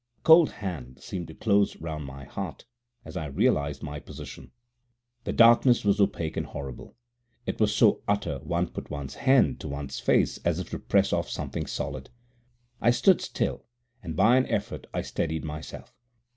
A cold hand seemed to close round my heart as I realized my position. The darkness was opaque and horrible. It was so utter, one put one's hand up to one's face as if to press off something solid. I stood still, and by an effort I steadied myself.